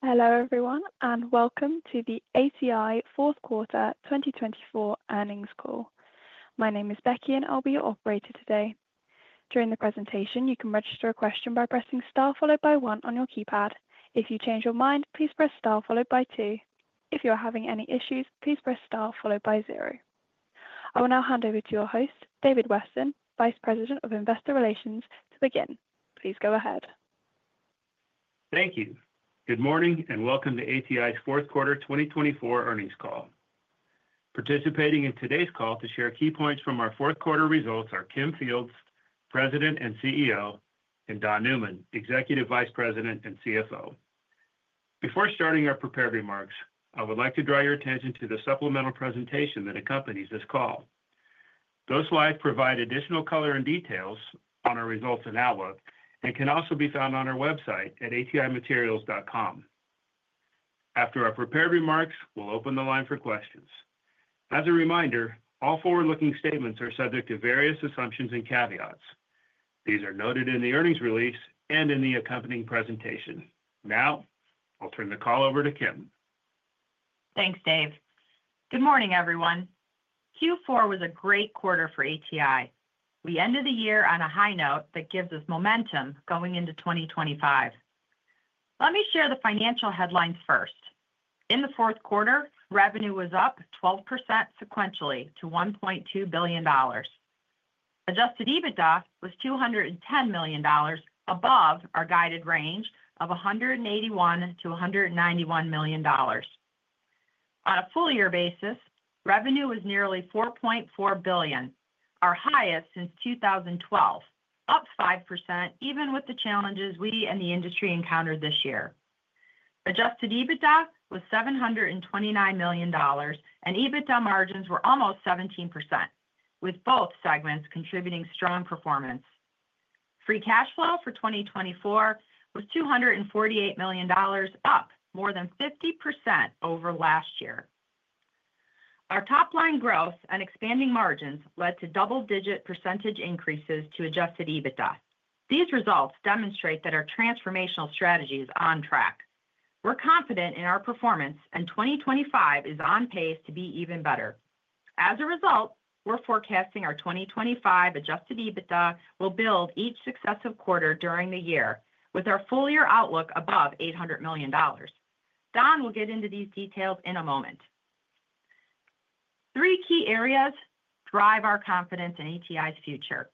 Hello everyone and welcome to the ATI fourth quarter 2024 earnings call. My name is Becky and I'll be your operator today. During the presentation, you can register a question by pressing star followed by one on your keypad. If you change your mind, please press star followed by two. If you are having any issues, please press star followed by zero. I will now hand over to your host, David Westin, Vice President of Investor Relations, to begin. Please go ahead. Thank you. Good morning and welcome to ATI's fourth quarter 2024 earnings call. Participating in today's call to share key points from our fourth quarter results are Kim Fields, President and CEO, and Don Newman, Executive Vice President and CFO. Before starting our prepared remarks, I would like to draw your attention to the supplemental presentation that accompanies this call. Those slides provide additional color and details on our results and outlook and can also be found on our website at atimaterials.com. After our prepared remarks, we'll open the line for questions. As a reminder, all forward-looking statements are subject to various assumptions and caveats. These are noted in the earnings release and in the accompanying presentation. Now, I'll turn the call over to Kim. Thanks, Dave. Good morning everyone. Q4 was a great quarter for ATI. We ended the year on a high note that gives us momentum going into 2025. Let me share the financial headlines first. In the fourth quarter, revenue was up 12% sequentially to $1.2 billion. Adjusted EBITDA was $210 million above our guided range of $181-$191 million. On a full year basis, revenue was nearly $4.4 billion, our highest since 2012, up 5% even with the challenges we and the industry encountered this year. Adjusted EBITDA was $729 million and EBITDA margins were almost 17%, with both segments contributing strong performance. Free cash flow for 2024 was $248 million, up more than 50% over last year. Our top line growth and expanding margins led to double-digit percentage increases to Adjusted EBITDA. These results demonstrate that our transformational strategy is on track. We're confident in our performance and 2025 is on pace to be even better. As a result, we're forecasting our 2025 Adjusted EBITDA will build each successive quarter during the year with our full year outlook above $800 million. Don will get into these details in a moment. Three key areas drive our confidence in ATI's future.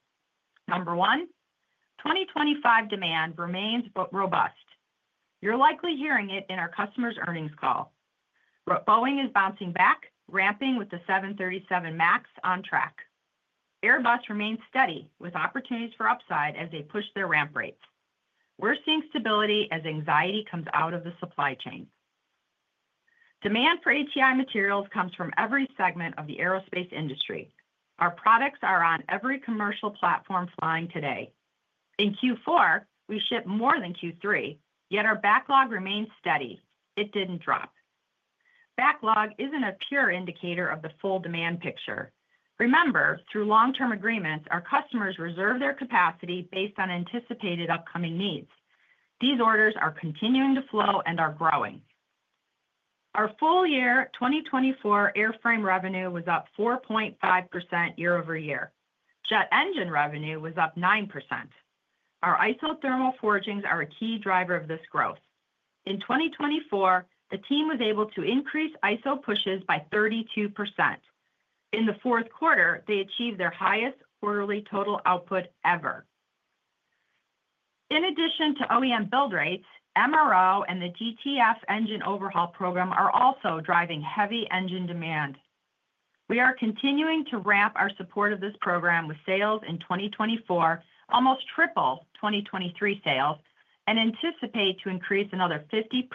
Number one, 2025 demand remains robust. You're likely hearing it in our customers' earnings call. Boeing is bouncing back, ramping with the 737 MAX on track. Airbus remains steady with opportunities for upside as they push their ramp rates. We're seeing stability as anxiety comes out of the supply chain. Demand for ATI materials comes from every segment of the aerospace industry. Our products are on every commercial platform flying today. In Q4, we shipped more than Q3, yet our backlog remains steady. It didn't drop. Backlog isn't a pure indicator of the full demand picture. Remember, through long-term agreements, our customers reserve their capacity based on anticipated upcoming needs. These orders are continuing to flow and are growing. Our full year 2024 airframe revenue was up 4.5% year over year. Jet engine revenue was up 9%. Our isothermal forgings are a key driver of this growth. In 2024, the team was able to increase iso pushes by 32%. In the fourth quarter, they achieved their highest quarterly total output ever. In addition to OEM build rates, MRO and the GTF engine overhaul program are also driving heavy engine demand. We are continuing to ramp our support of this program with sales in 2024, almost triple 2023 sales, and anticipate to increase another 50%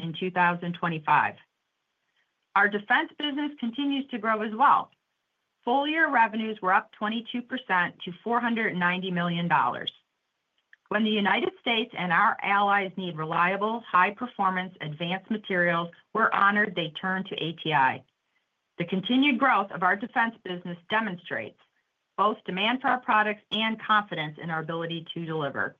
in 2025. Our defense business continues to grow as well. Full year revenues were up 22% to $490 million. When the United States and our allies need reliable, high-performance advanced materials, we're honored they turned to ATI. The continued growth of our defense business demonstrates both demand for our products and confidence in our ability to deliver.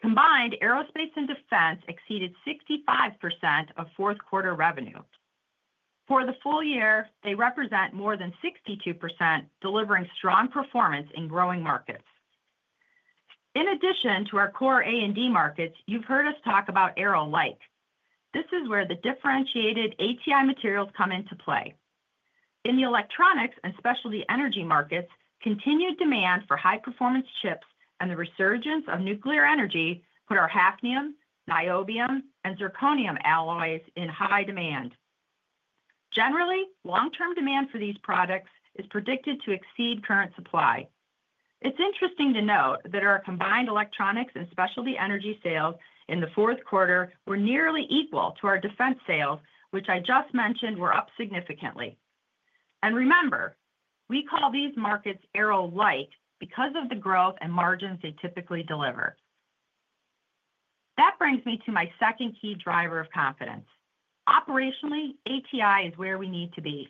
Combined, aerospace and defense exceeded 65% of fourth quarter revenue. For the full year, they represent more than 62%, delivering strong performance in growing markets. In addition to our core A& D markets, you've heard us talk about Aero-like. This is where the differentiated ATI materials come into play. In the electronics and specialty energy markets, continued demand for high-performance chips and the resurgence of nuclear energy put our Hafnium, Niobium, and Zirconium alloys in high demand. Generally, long-term demand for these products is predicted to exceed current supply. It's interesting to note that our combined electronics and specialty energy sales in the fourth quarter were nearly equal to our defense sales, which I just mentioned were up significantly, and remember, we call these markets aero light because of the growth and margins they typically deliver. That brings me to my second key driver of confidence. Operationally, ATI is where we need to be.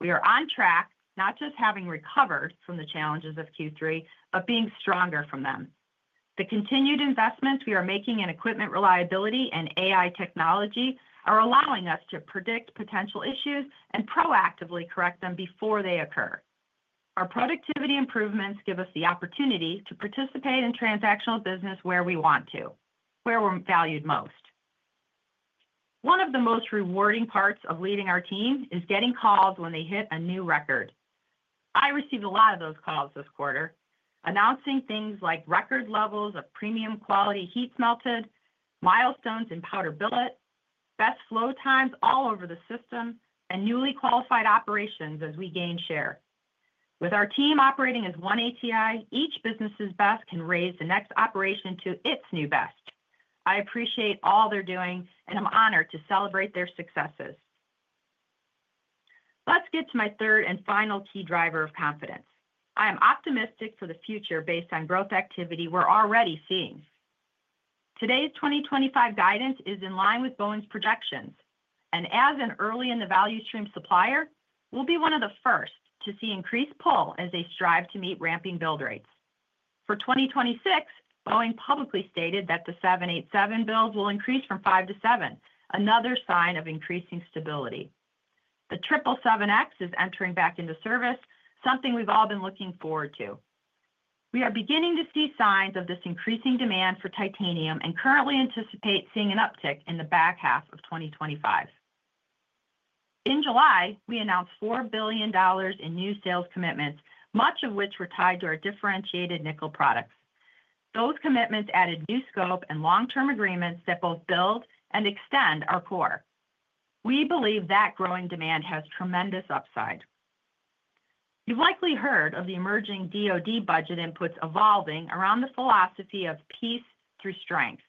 We are on track, not just having recovered from the challenges of Q3, but being stronger from them. The continued investments we are making in equipment reliability and AI technology are allowing us to predict potential issues and proactively correct them before they occur. Our productivity improvements give us the opportunity to participate in transactional business where we want to, where we're valued most. One of the most rewarding parts of leading our team is getting calls when they hit a new record. I received a lot of those calls this quarter, announcing things like record levels of premium quality heat melted, milestones in powder billet, best flow times all over the system, and newly qualified operations as we gain share. With our team operating as one ATI, each business's best can raise the next operation to its new best. I appreciate all they're doing and I'm honored to celebrate their successes. Let's get to my third and final key driver of confidence. I am optimistic for the future based on growth activity we're already seeing. Today's 2025 guidance is in line with Boeing's projections, and as an early in the value stream supplier, we'll be one of the first to see increased pull as they strive to meet ramping build rates. For 2026, Boeing publicly stated that the 787 builds will increase from five to seven, another sign of increasing stability. The 777X is entering back into service, something we've all been looking forward to. We are beginning to see signs of this increasing demand for titanium and currently anticipate seeing an uptick in the back half of 2025. In July, we announced $4 billion in new sales commitments, much of which were tied to our differentiated nickel products. Those commitments added new scope and long-term agreements that both build and extend our core. We believe that growing demand has tremendous upside. You've likely heard of the emerging DOD budget inputs evolving around the philosophy of peace through strength,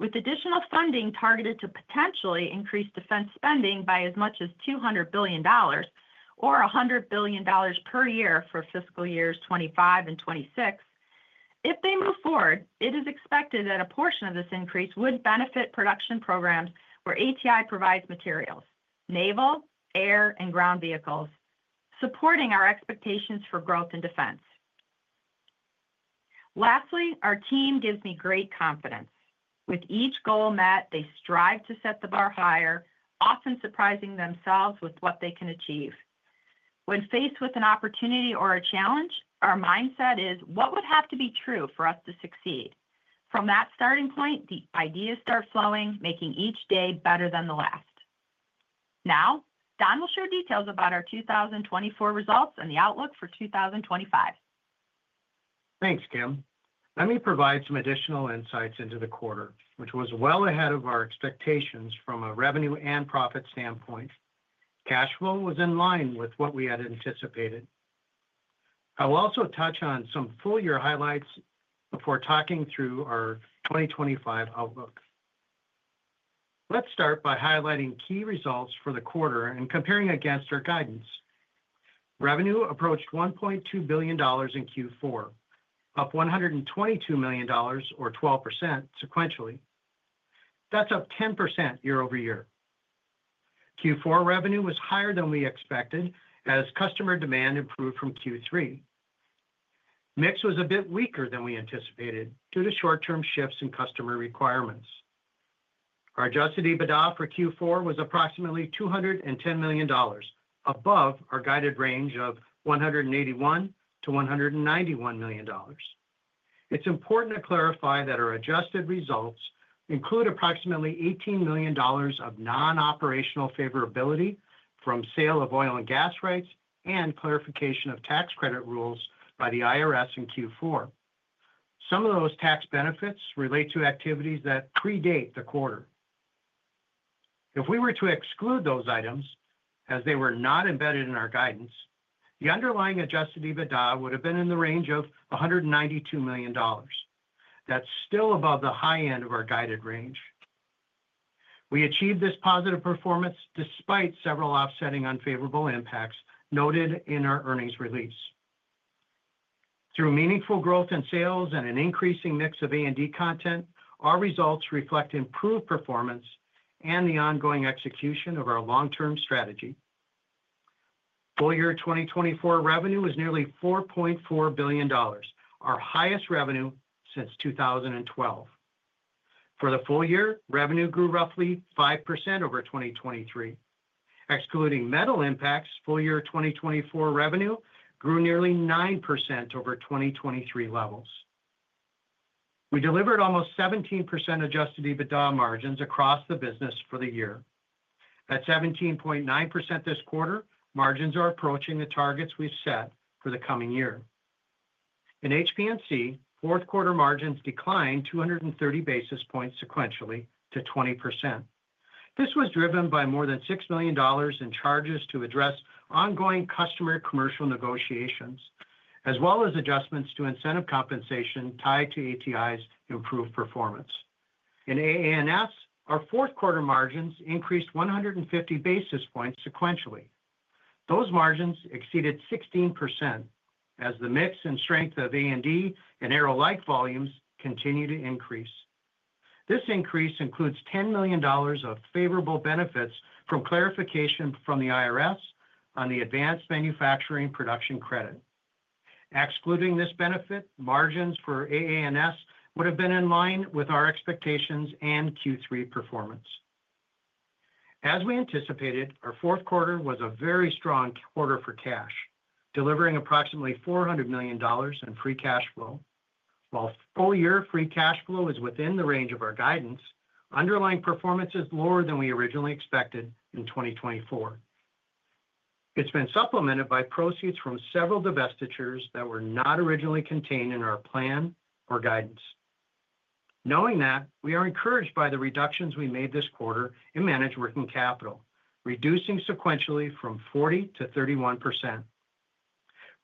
with additional funding targeted to potentially increase defense spending by as much as $200 billion or $100 billion per year for fiscal years 2025 and 2026. If they move forward, it is expected that a portion of this increase would benefit production programs where ATI provides materials, naval, air, and ground vehicles, supporting our expectations for growth in defense. Lastly, our team gives me great confidence. With each goal met, they strive to set the bar higher, often surprising themselves with what they can achieve. When faced with an opportunity or a challenge, our mindset is, what would have to be true for us to succeed? From that starting point, the ideas start flowing, making each day better than the last. Now, Don will share details about our 2024 results and the outlook for 2025. Thanks, Kim. Let me provide some additional insights into the quarter, which was well ahead of our expectations from a revenue and profit standpoint. Cash flow was in line with what we had anticipated. I will also touch on some full year highlights before talking through our 2025 outlook. Let's start by highlighting key results for the quarter and comparing against our guidance. Revenue approached $1.2 billion in Q4, up $122 million or 12% sequentially. That's up 10% year-over-year. Q4 revenue was higher than we expected as customer demand improved from Q3. Mix was a bit weaker than we anticipated due to short-term shifts in customer requirements. Our Adjusted EBITDA for Q4 was approximately $210 million, above our guided range of $181-$191 million. It's important to clarify that our adjusted results include approximately $18 million of non-operational favorability from sale of oil and gas rights and clarification of tax credit rules by the IRS in Q4. Some of those tax benefits relate to activities that predate the quarter. If we were to exclude those items as they were not embedded in our guidance, the underlying Adjusted EBITDA would have been in the range of $192 million. That's still above the high end of our guided range. We achieved this positive performance despite several offsetting unfavorable impacts noted in our earnings release. Through meaningful growth in sales and an increasing mix of A and D content, our results reflect improved performance and the ongoing execution of our long-term strategy. Full year 2024 revenue was nearly $4.4 billion, our highest revenue since 2012. For the full year, revenue grew roughly 5% over 2023. Excluding metal impacts, full year 2024 revenue grew nearly 9% over 2023 levels. We delivered almost 17% Adjusted EBITDA margins across the business for the year. At 17.9% this quarter, margins are approaching the targets we've set for the coming year. In HPMC, fourth quarter margins declined 230 basis points sequentially to 20%. This was driven by more than $6 million in charges to address ongoing customer commercial negotiations, as well as adjustments to incentive compensation tied to ATI's improved performance. In AA&S, our fourth quarter margins increased 150 basis points sequentially. Those margins exceeded 16% as the mix and strength of A&D and aero light volumes continue to increase. This increase includes $10 million of favorable benefits from clarification from the IRS on the advanced manufacturing production credit. Excluding this benefit, margins for AA&S would have been in line with our expectations and Q3 performance. As we anticipated, our fourth quarter was a very strong quarter for cash, delivering approximately $400 million in free cash flow. While full year free cash flow is within the range of our guidance, underlying performance is lower than we originally expected in 2024. It's been supplemented by proceeds from several divestitures that were not originally contained in our plan or guidance. Knowing that, we are encouraged by the reductions we made this quarter in managed working capital, reducing sequentially from 40% to 31%.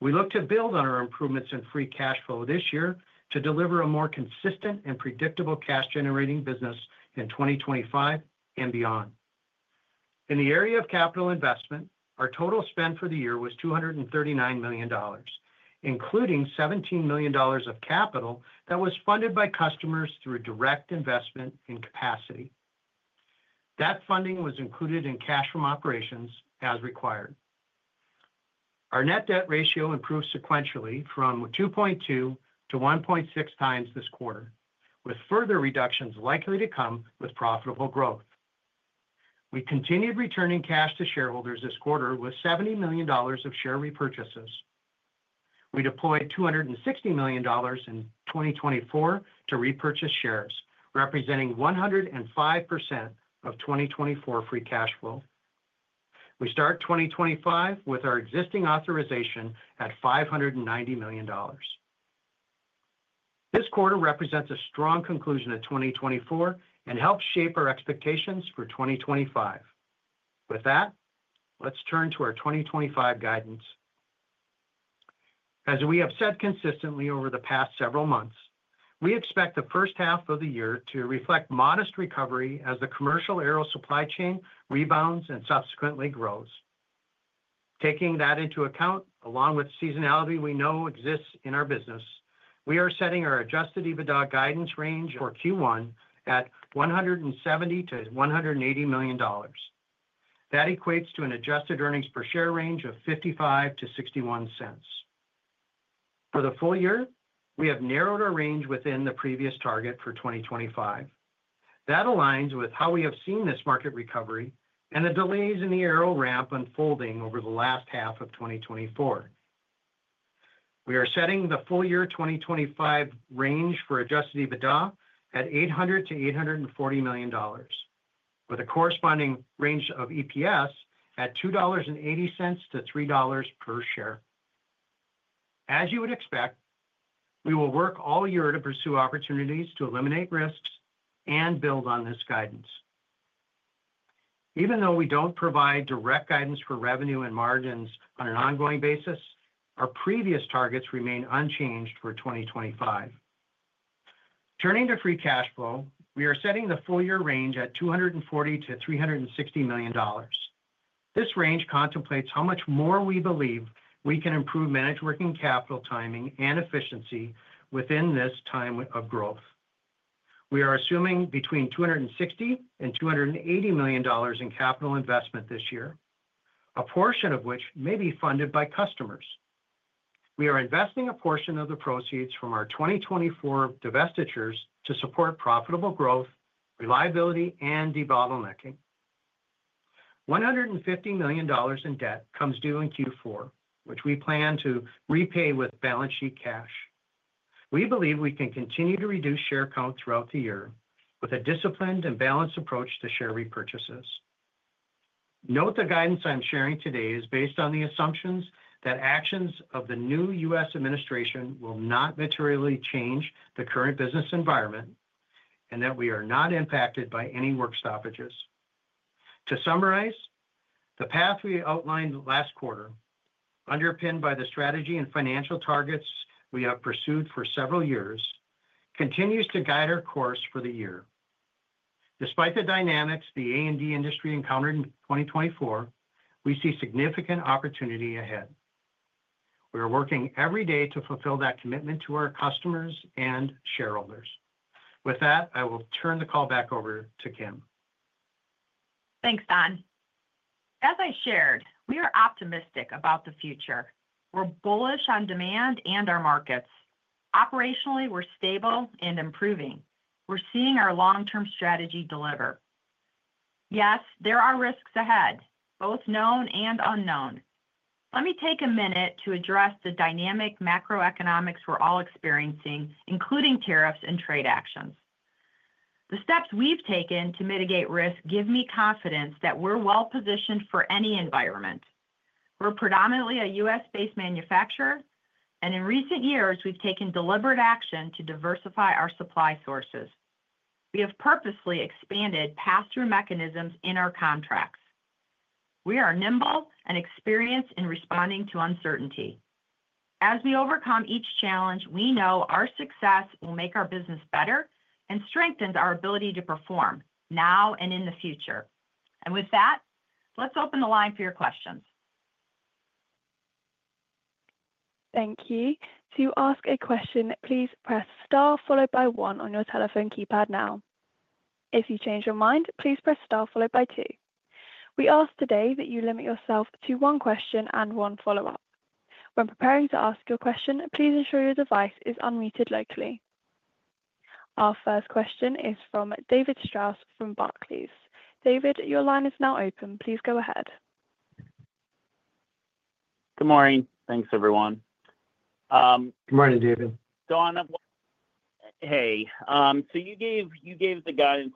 We look to build on our improvements in free cash flow this year to deliver a more consistent and predictable cash-generating business in 2025 and beyond. In the area of capital investment, our total spend for the year was $239 million, including $17 million of capital that was funded by customers through direct investment in capacity. That funding was included in cash from operations as required. Our net debt ratio improved sequentially from 2.2 to 1.6 times this quarter, with further reductions likely to come with profitable growth. We continued returning cash to shareholders this quarter with $70 million of share repurchases. We deployed $260 million in 2024 to repurchase shares, representing 105% of 2024 free cash flow. We start 2025 with our existing authorization at $590 million. This quarter represents a strong conclusion of 2024 and helps shape our expectations for 2025. With that, let's turn to our 2025 guidance. As we have said consistently over the past several months, we expect the first half of the year to reflect modest recovery as the commercial aero supply chain rebounds and subsequently grows. Taking that into account, along with seasonality we know exists in our business, we are setting our Adjusted EBITDA guidance range for Q1 at $170-$180 million. That equates to an adjusted earnings per share range of $0.55-$0.61. For the full year, we have narrowed our range within the previous target for 2025. That aligns with how we have seen this market recovery and the delays in the aero ramp unfolding over the last half of 2024. We are setting the full year 2025 range for Adjusted EBITDA at $800-$840 million, with a corresponding range of EPS at $2.80-$3 per share. As you would expect, we will work all year to pursue opportunities to eliminate risks and build on this guidance. Even though we don't provide direct guidance for revenue and margins on an ongoing basis, our previous targets remain unchanged for 2025. Turning to free cash flow, we are setting the full year range at $240-$360 million. This range contemplates how much more we believe we can improve managed working capital timing and efficiency within this time of growth. We are assuming between $260-$280 million in capital investment this year, a portion of which may be funded by customers. We are investing a portion of the proceeds from our 2024 divestitures to support profitable growth, reliability, and debottlenecking. $150 million in debt comes due in Q4, which we plan to repay with balance sheet cash. We believe we can continue to reduce share count throughout the year with a disciplined and balanced approach to share repurchases. Note the guidance I'm sharing today is based on the assumptions that actions of the new U.S. administration will not materially change the current business environment and that we are not impacted by any work stoppages. To summarize, the path we outlined last quarter, underpinned by the strategy and financial targets we have pursued for several years, continues to guide our course for the year. Despite the dynamics the A and D industry encountered in 2024, we see significant opportunity ahead. We are working every day to fulfill that commitment to our customers and shareholders. With that, I will turn the call back over to Kim. Thanks, Don. As I shared, we are optimistic about the future. We're bullish on demand and our markets. Operationally, we're stable and improving. We're seeing our long-term strategy deliver. Yes, there are risks ahead, both known and unknown. Let me take a minute to address the dynamic macroeconomics we're all experiencing, including tariffs and trade actions. The steps we've taken to mitigate risk give me confidence that we're well-positioned for any environment. We're predominantly a U.S.-based manufacturer, and in recent years, we've taken deliberate action to diversify our supply sources. We have purposely expanded pass-through mechanisms in our contracts. We are nimble and experienced in responding to uncertainty. As we overcome each challenge, we know our success will make our business better and strengthen our ability to perform now and in the future, and with that, let's open the line for your questions. Thank you. To ask a question, please press star followed by one on your telephone keypad now. If you change your mind, please press star followed by two. We ask today that you limit yourself to one question and one follow-up. When preparing to ask your question, please ensure your device is unmuted locally. Our first question is from David Strauss from Barclays. David, your line is now open. Please go ahead. Good morning. Thanks, everyone. Good morning, David. Don, hey. So you gave the guidance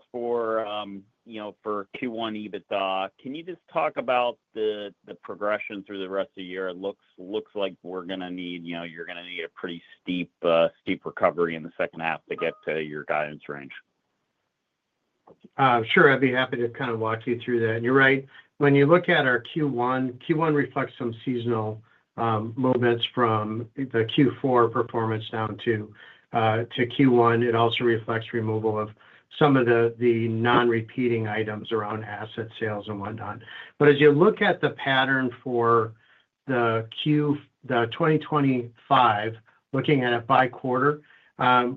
for Q1 EBITDA. Can you just talk about the progression through the rest of the year? It looks like we're going to need - you're going to need a pretty steep recovery in the second half to get to your guidance range. Sure. I'd be happy to kind of walk you through that. And you're right. When you look at our Q1, Q1 reflects some seasonal movements from the Q4 performance down to Q1. It also reflects removal of some of the non-repeating items around asset sales and whatnot. But as you look at the pattern for the 2025, looking at it by quarter,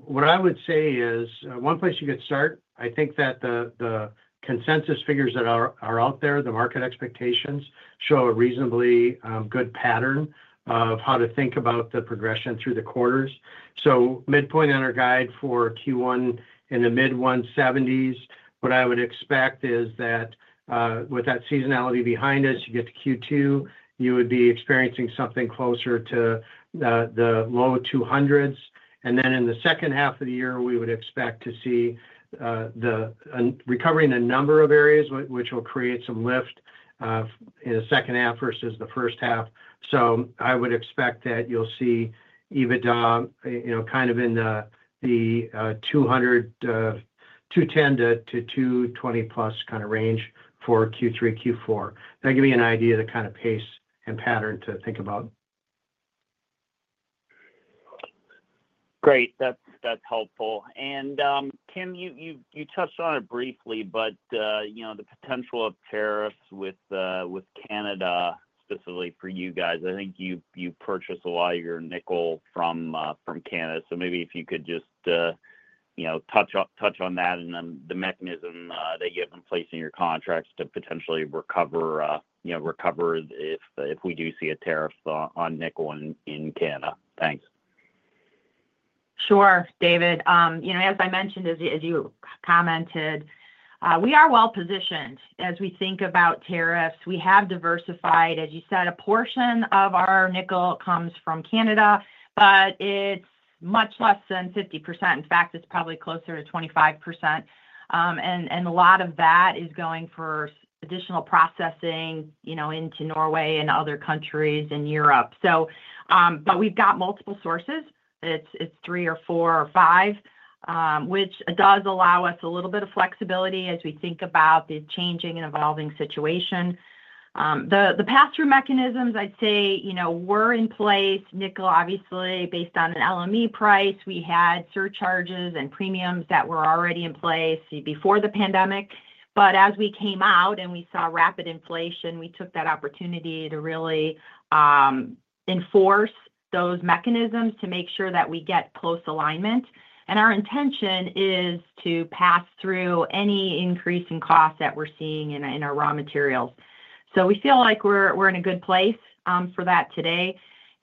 what I would say is one place you could start. I think that the consensus figures that are out there, the market expectations, show a reasonably good pattern of how to think about the progression through the quarters. So midpoint in our guide for Q1 in the mid-170s, what I would expect is that with that seasonality behind us, you get to Q2, you would be experiencing something closer to the low 200s. Then in the second half of the year, we would expect to see recovering a number of areas, which will create some lift in the second half versus the first half. So I would expect that you'll see EBITDA kind of in the 210-220-plus kind of range for Q3, Q4. That'll give you an idea of the kind of pace and pattern to think about. Great. That's helpful. And Kim, you touched on it briefly, but the potential of tariffs with Canada, specifically for you guys. I think you purchased a lot of your nickel from Canada. So maybe if you could just touch on that and the mechanism that you have in place in your contracts to potentially recover if we do see a tariff on nickel in Canada. Thanks. Sure, David. As I mentioned, as you commented, we are well-positioned as we think about tariffs. We have diversified, as you said, a portion of our nickel comes from Canada, but it's much less than 50%. In fact, it's probably closer to 25%, and a lot of that is going for additional processing into Norway and other countries in Europe, but we've got multiple sources. It's three or four or five, which does allow us a little bit of flexibility as we think about the changing and evolving situation. The pass-through mechanisms, I'd say, were in place. Nickel, obviously, based on an LME price, we had surcharges and premiums that were already in place before the pandemic, but as we came out and we saw rapid inflation, we took that opportunity to really enforce those mechanisms to make sure that we get close alignment. And our intention is to pass through any increase in costs that we're seeing in our raw materials. So we feel like we're in a good place for that today.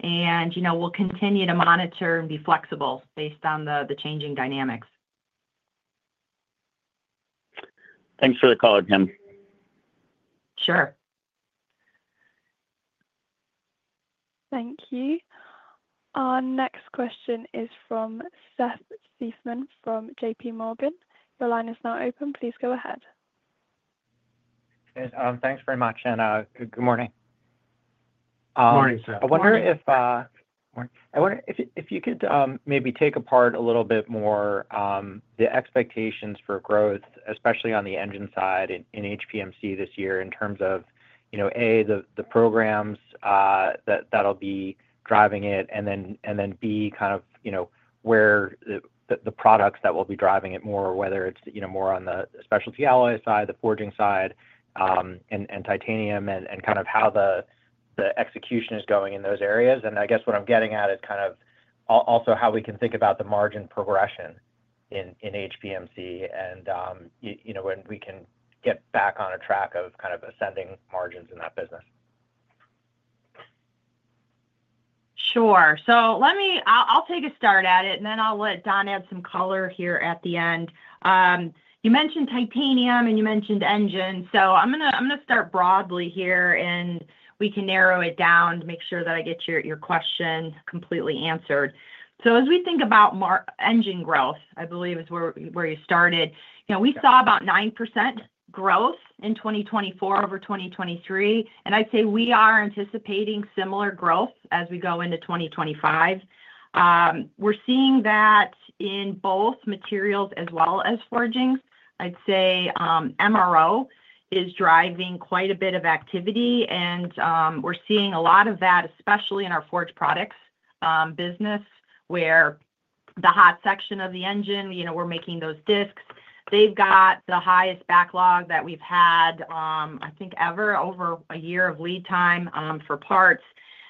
And we'll continue to monitor and be flexible based on the changing dynamics. Thanks for the call, Kim. Sure. Thank you. Our next question is from Seth Seifman from JPMorgan. Your line is now open. Please go ahead. Thanks very much and good morning. Good morning, Seth. I wonder if you could maybe take apart a little bit more the expectations for growth, especially on the engine side in HPMC this year in terms of, A, the programs that'll be driving it, and then B, kind of where the products that will be driving it more, whether it's more on the specialty alloy side, the forging side, and titanium, and kind of how the execution is going in those areas, and I guess what I'm getting at is kind of also how we can think about the margin progression in HPMC and when we can get back on a track of kind of ascending margins in that business. Sure. So I'll take a start at it, and then I'll let Don add some color here at the end. You mentioned titanium, and you mentioned engine. So I'm going to start broadly here, and we can narrow it down to make sure that I get your question completely answered. So as we think about engine growth, I believe is where you started, we saw about 9% growth in 2024 over 2023. And I'd say we are anticipating similar growth as we go into 2025. We're seeing that in both materials as well as forging. I'd say MRO is driving quite a bit of activity. And we're seeing a lot of that, especially in our forged products business, where the hot section of the engine, we're making those discs. They've got the highest backlog that we've had, I think, ever over a year of lead time for parts.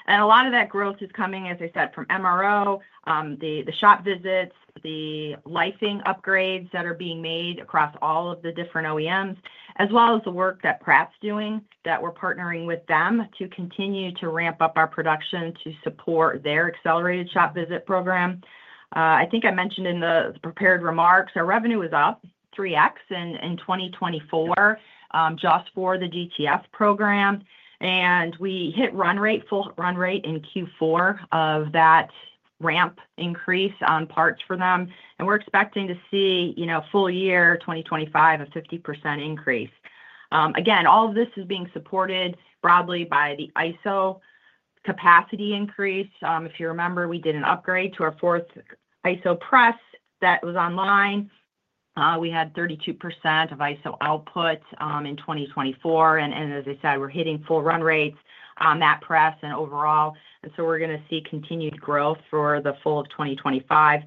A lot of that growth is coming, as I said, from MRO, the shop visits, the engine upgrades that are being made across all of the different OEMs, as well as the work that Pratt & Whitney's doing. That we're partnering with them to continue to ramp up our production to support their accelerated shop visit program. I think I mentioned in the prepared remarks, our revenue is up 3x in 2024 just for the GTF program. And we hit full run rate in Q4 of that ramp increase on parts for them. And we're expecting to see full year 2025, a 50% increase. Again, all of this is being supported broadly by the ISO capacity increase. If you remember, we did an upgrade to our fourth ISO press that was online. We had 32% of ISO output in 2024. As I said, we're hitting full run rates on that press and overall. And so we're going to see continued growth for the full of 2025.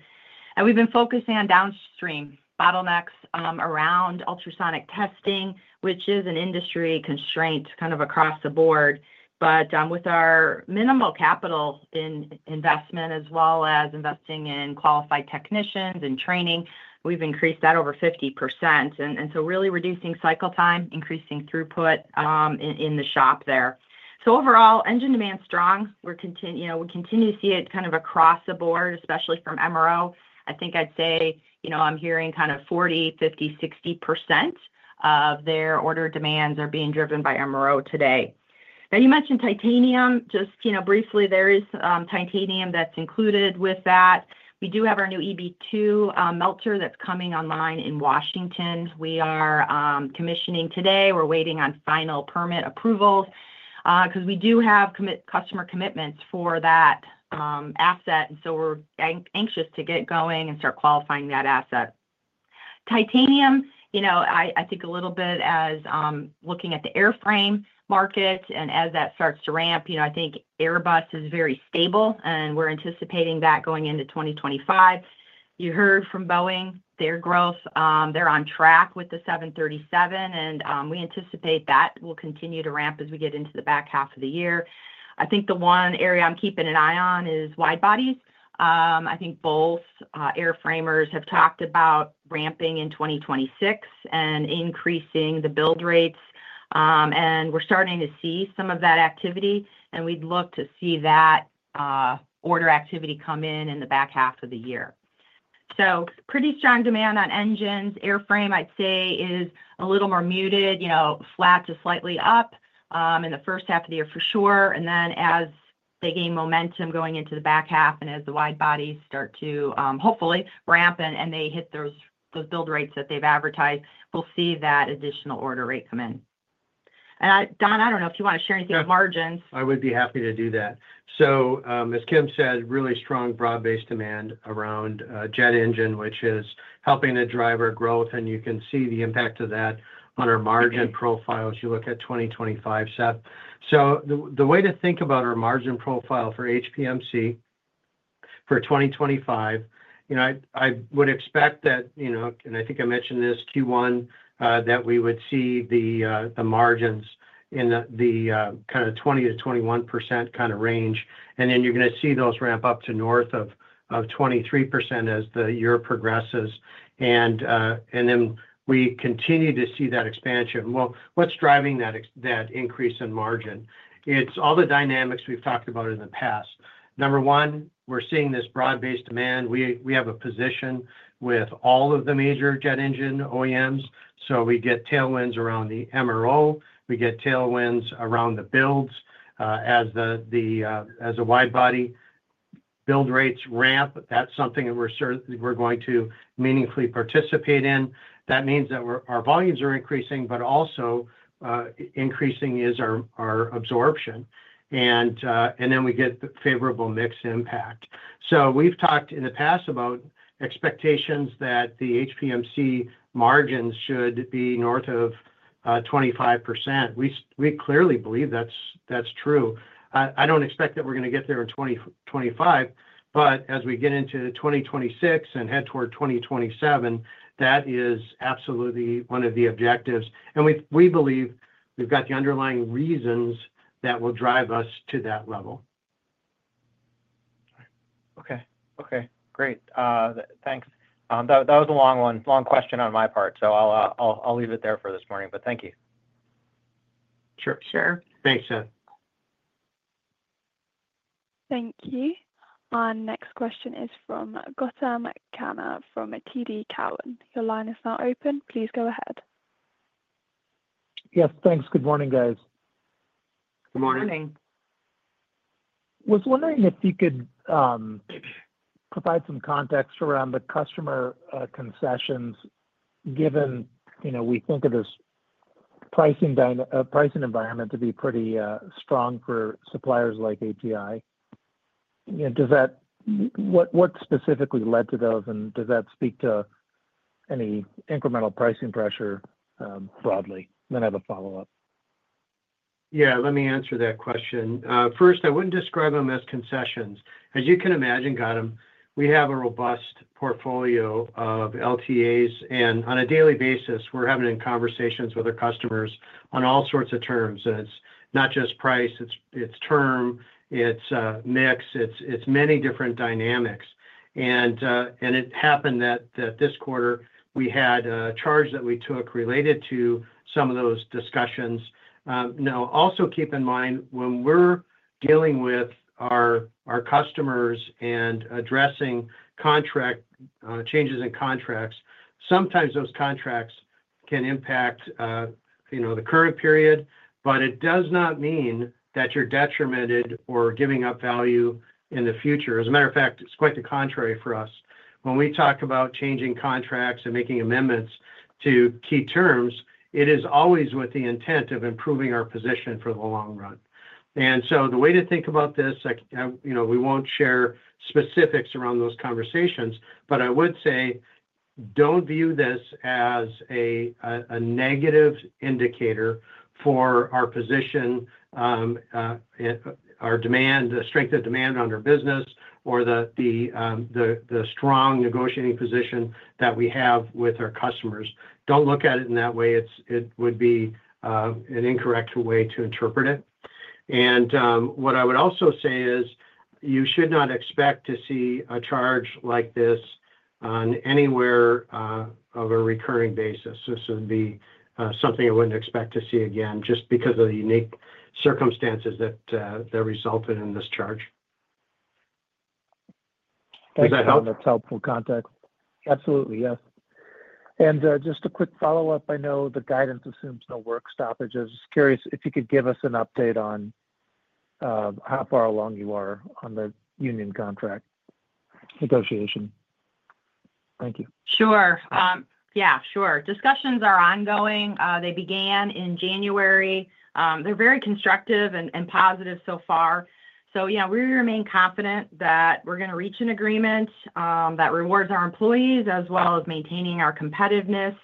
And we've been focusing on downstream bottlenecks around ultrasonic testing, which is an industry constraint kind of across the board. But with our minimal capital investment, as well as investing in qualified technicians and training, we've increased that over 50%. And so really reducing cycle time, increasing throughput in the shop there. So overall, engine demand's strong. We continue to see it kind of across the board, especially from MRO. I think I'd say I'm hearing kind of 40, 50, 60% of their order demands are being driven by MRO today. Now, you mentioned titanium. Just briefly, there is titanium that's included with that. We do have our new EB-2 Melter that's coming online in Washington. We are commissioning today. We're waiting on final permit approvals because we do have customer commitments for that asset. And so we're anxious to get going and start qualifying that asset. Titanium, I think a little bit as looking at the airframe market and as that starts to ramp, I think Airbus is very stable, and we're anticipating that going into 2025. You heard from Boeing, their growth. They're on track with the 737, and we anticipate that will continue to ramp as we get into the back half of the year. I think the one area I'm keeping an eye on is wide bodies. I think both airframers have talked about ramping in 2026 and increasing the build rates. And we're starting to see some of that activity. And we'd love to see that order activity come in in the back half of the year. So pretty strong demand on engines. Airframe, I'd say, is a little more muted, flat to slightly up in the first half of the year, for sure. And then as they gain momentum going into the back half and as the wide bodies start to hopefully ramp and they hit those build rates that they've advertised, we'll see that additional order rate come in. And Don, I don't know if you want to share anything on margins. I would be happy to do that. So as Kim said, really strong broad-based demand around jet engine, which is helping drive growth. And you can see the impact of that on our margin profile as you look at 2025, Seth. So the way to think about our margin profile for HPMC for 2025, I would expect that, and I think I mentioned this Q1, that we would see the margins in the kind of 20%-21% kind of range. And then you're going to see those ramp up to north of 23% as the year progresses. And then we continue to see that expansion. Well, what's driving that increase in margin? It's all the dynamics we've talked about in the past. Number one, we're seeing this broad-based demand. We have a position with all of the major jet engine OEMs. So we get tailwinds around the MRO. We get tailwinds around the builds. As the wide body build rates ramp, that's something that we're going to meaningfully participate in. That means that our volumes are increasing, but also increasing is our absorption. And then we get the favorable mix impact. So we've talked in the past about expectations that the HPMC margins should be north of 25%. We clearly believe that's true. I don't expect that we're going to get there in 2025. But as we get into 2026 and head toward 2027, that is absolutely one of the objectives. And we believe we've got the underlying reasons that will drive us to that level. Okay. Okay. Great. Thanks. That was a long one, long question on my part. So I'll leave it there for this morning. But thank you. Sure. Sure. Thanks, Seth. Thank you. Our next question is from Gautam Khanna from TD Cowen. Your line is now open. Please go ahead. Yes. Thanks. Good morning, guys. Good morning. Good morning. Was wondering if you could provide some context around the customer concessions, given we think of this pricing environment to be pretty strong for suppliers like ATI. What specifically led to those, and does that speak to any incremental pricing pressure broadly? And then I have a follow-up. Yeah. Let me answer that question. First, I wouldn't describe them as concessions. As you can imagine, Gautam, we have a robust portfolio of LTAs. And on a daily basis, we're having conversations with our customers on all sorts of terms. And it's not just price. It's term. It's mix. It's many different dynamics. And it happened that this quarter, we had a charge that we took related to some of those discussions. Now, also keep in mind, when we're dealing with our customers and addressing changes in contracts, sometimes those contracts can impact the current period, but it does not mean that you're detrimented or giving up value in the future. As a matter of fact, it's quite the contrary for us. When we talk about changing contracts and making amendments to key terms, it is always with the intent of improving our position for the long run. The way to think about this, we won't share specifics around those conversations, but I would say don't view this as a negative indicator for our position, our strength of demand on our business, or the strong negotiating position that we have with our customers. Don't look at it in that way. It would be an incorrect way to interpret it. What I would also say is you should not expect to see a charge like this anywhere on a recurring basis. This would be something I wouldn't expect to see again just because of the unique circumstances that resulted in this charge. Does that help? That's helpful context. Absolutely. Yes. And just a quick follow-up. I know the guidance assumes no work stoppages. Just curious if you could give us an update on how far along you are on the union contract negotiation. Thank you. Sure. Yeah. Sure. Discussions are ongoing. They began in January. They're very constructive and positive so far, so we remain confident that we're going to reach an agreement that rewards our employees as well as maintaining our competitiveness.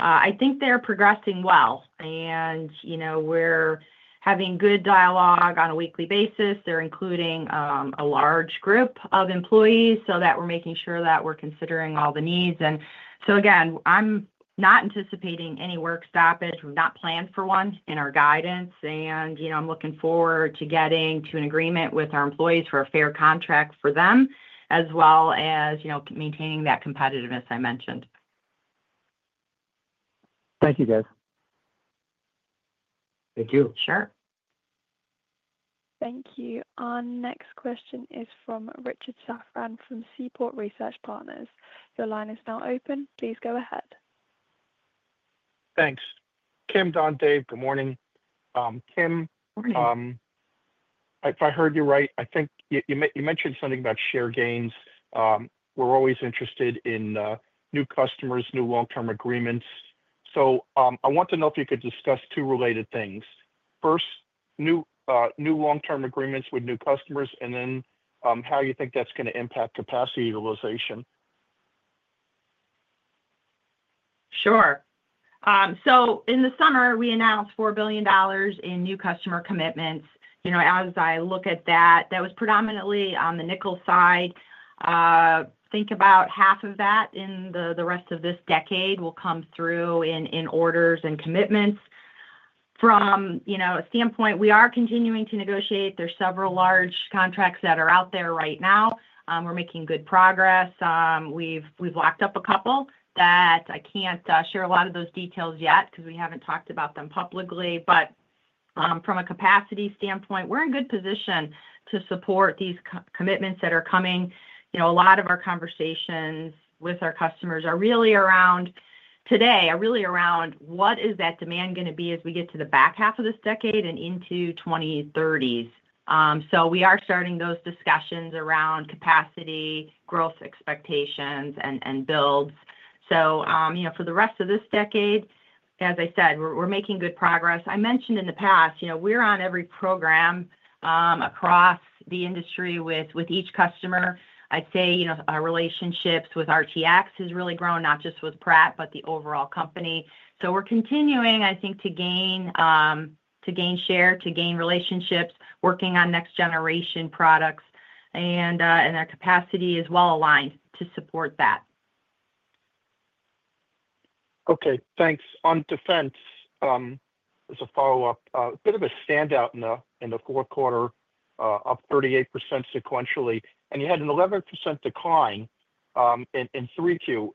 I think they're progressing well, and we're having good dialogue on a weekly basis. They're including a large group of employees so that we're making sure that we're considering all the needs, and so again, I'm not anticipating any work stoppage. We've not planned for one in our guidance, and I'm looking forward to getting to an agreement with our employees for a fair contract for them, as well as maintaining that competitiveness I mentioned. Thank you, guys. Thank you. Sure. Thank you. Our next question is from Richard Safran from Seaport Research Partners. Your line is now open. Please go ahead. Thanks. Kim, Don, Dave, good morning, Kim. Morning. If I heard you right, I think you mentioned something about share gains. We're always interested in new customers, new long-term agreements. So I want to know if you could discuss two related things. First, new long-term agreements with new customers, and then how you think that's going to impact capacity utilization. Sure. So in the summer, we announced $4 billion in new customer commitments. As I look at that, that was predominantly on the nickel side. Think about half of that in the rest of this decade will come through in orders and commitments. From a standpoint, we are continuing to negotiate. There are several large contracts that are out there right now. We're making good progress. We've locked up a couple that I can't share a lot of those details yet because we haven't talked about them publicly. But from a capacity standpoint, we're in a good position to support these commitments that are coming. A lot of our conversations with our customers are really around today, are really around what is that demand going to be as we get to the back half of this decade and into 2030s. So we are starting those discussions around capacity, growth expectations, and builds. So for the rest of this decade, as I said, we're making good progress. I mentioned in the past, we're on every program across the industry with each customer. I'd say our relationships with RTX has really grown, not just with Pratt, but the overall company. So we're continuing, I think, to gain share, to gain relationships, working on next-generation products. And our capacity is well aligned to support that. Okay. Thanks. On defense, as a follow-up, a bit of a standout in the fourth quarter, up 38% sequentially. And you had an 11% decline in 3Q.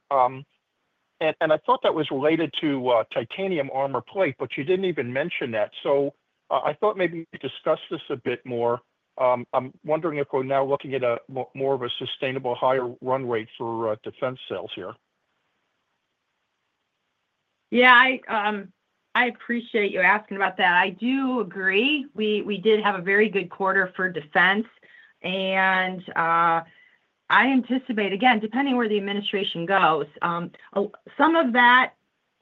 And I thought that was related to titanium armor plate, but you didn't even mention that. So I thought maybe you could discuss this a bit more. I'm wondering if we're now looking at more of a sustainable higher run rate for defense sales here. Yeah. I appreciate you asking about that. I do agree. We did have a very good quarter for defense. And I anticipate, again, depending where the administration goes, some of that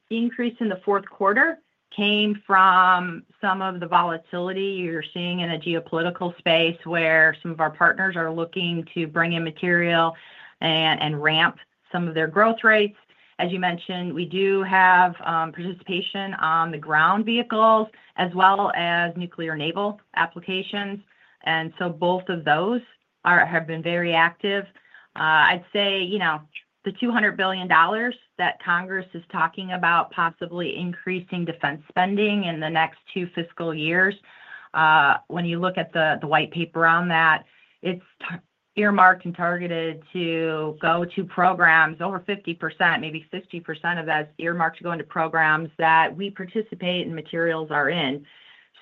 increase in the fourth quarter came from some of the volatility you're seeing in a geopolitical space where some of our partners are looking to bring in material and ramp some of their growth rates. As you mentioned, we do have participation on the ground vehicles as well as nuclear naval applications. And so both of those have been very active. I'd say the $200 billion that Congress is talking about possibly increasing defense spending in the next two fiscal years, when you look at the white paper on that, it's earmarked and targeted to go to programs. Over 50%, maybe 60% of that is earmarked to go into programs that we participate and materials are in.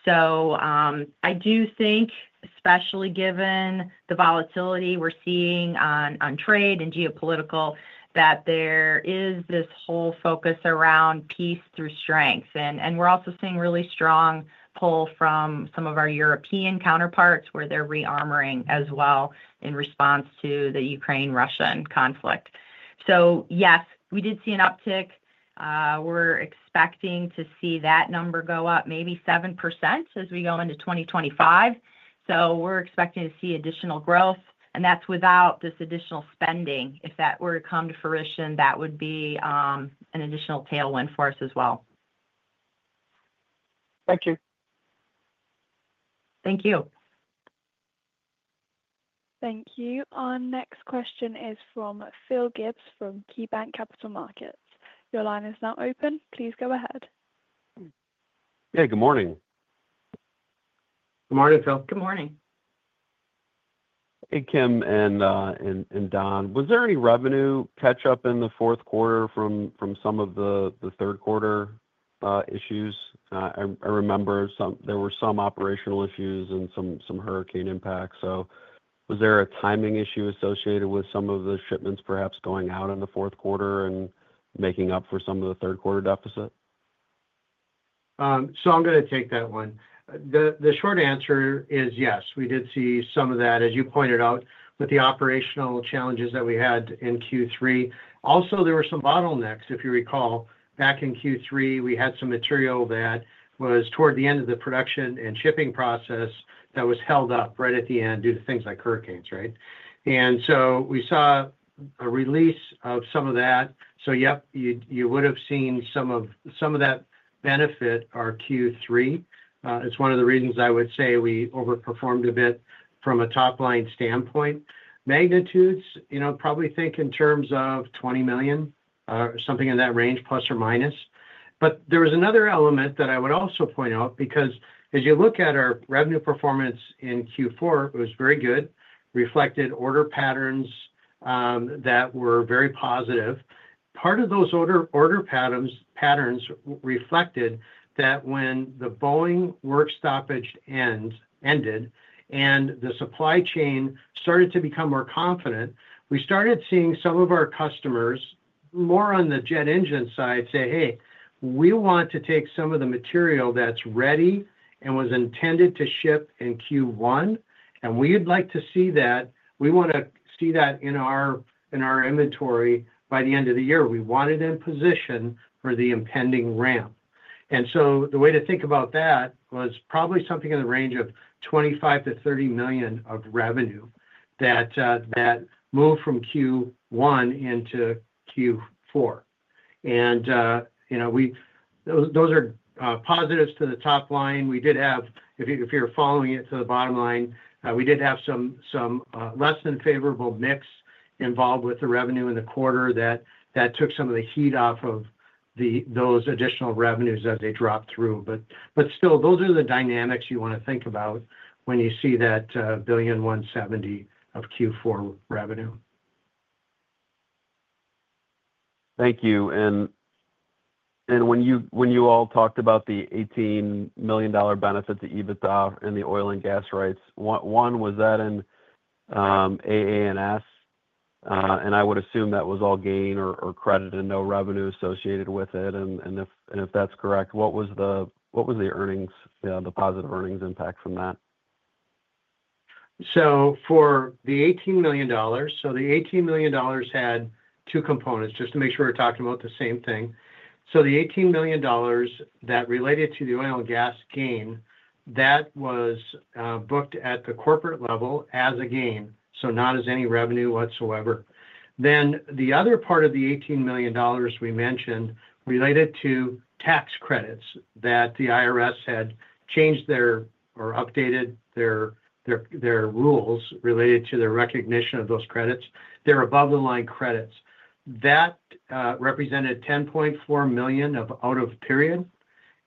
So I do think, especially given the volatility we're seeing on trade and geopolitical, that there is this whole focus around peace through strength. And we're also seeing a really strong pull from some of our European counterparts where they're rearming as well in response to the Ukraine-Russia conflict. So yes, we did see an uptick. We're expecting to see that number go up, maybe 7% as we go into 2025. So we're expecting to see additional growth. And that's without this additional spending. If that were to come to fruition, that would be an additional tailwind for us as well. Thank you. Thank you. Thank you. Our next question is from Phil Gibbs from KeyBanc Capital Markets. Your line is now open. Please go ahead. Hey. Good morning. Good morning, Phil. Good morning. Hey, Kim and Don. Was there any revenue catch-up in the fourth quarter from some of the third quarter issues? I remember there were some operational issues and some hurricane impacts. So was there a timing issue associated with some of the shipments perhaps going out in the fourth quarter and making up for some of the third quarter deficit? So I'm going to take that one. The short answer is yes. We did see some of that, as you pointed out, with the operational challenges that we had in Q3. Also, there were some bottlenecks, if you recall. Back in Q3, we had some material that was toward the end of the production and shipping process that was held up right at the end due to things like hurricanes, right? And so we saw a release of some of that. So yep, you would have seen some of that benefit our Q3. It's one of the reasons I would say we overperformed a bit from a top-line standpoint. Magnitudes, probably think in terms of $20 million or something in that range, plus or minus. But there was another element that I would also point out because as you look at our revenue performance in Q4, it was very good, reflected order patterns that were very positive. Part of those order patterns reflected that when the Boeing work stoppage ended and the supply chain started to become more confident, we started seeing some of our customers more on the jet engine side say, "Hey, we want to take some of the material that's ready and was intended to ship in Q1, and we'd like to see that. We want to see that in our inventory by the end of the year. We want it in position for the impending ramp." And so the way to think about that was probably something in the range of $25 million-$30 million of revenue that moved from Q1 into Q4. And those are positives to the top line. If you're following it to the bottom line, we did have some less than favorable mix involved with the revenue in the quarter that took some of the heat off of those additional revenues as they dropped through. But still, those are the dynamics you want to think about when you see that $1.17 billion of Q4 revenue. Thank you. And when you all talked about the $18 million benefit to EBITDA and the oil and gas rights, one, was that in AA&S? And I would assume that was all gain or credit and no revenue associated with it. And if that's correct, what was the positive earnings impact from that? So, for the $18 million, so the $18 million had two components, just to make sure we're talking about the same thing. So the $18 million that related to the oil and gas gain, that was booked at the corporate level as a gain, so not as any revenue whatsoever. Then the other part of the $18 million we mentioned related to tax credits that the IRS had changed their or updated their rules related to their recognition of those credits. They're above-the-line credits. That represented $10.4 million of out-of-period.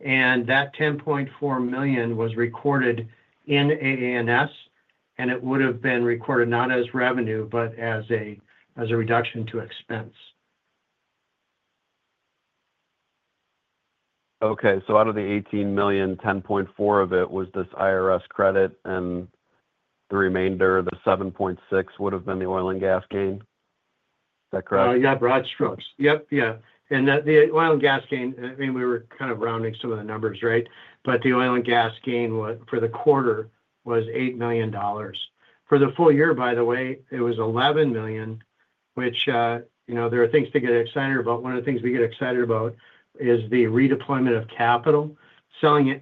And that $10.4 million was recorded in AA&S, and it would have been recorded not as revenue, but as a reduction to expense. Okay. So out of the $18 million, $10.4 million of it was this IRS credit, and the remainder, the $7.6 million, would have been the oil and gas gain. Is that correct? Yeah. Broad strokes. Yep. Yeah. And the oil and gas gain, I mean, we were kind of rounding some of the numbers, right? But the oil and gas gain for the quarter was $8 million. For the full year, by the way, it was $11 million, which there are things to get excited about. One of the things we get excited about is the redeployment of capital. Selling